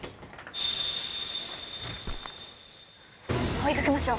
追い掛けましょう。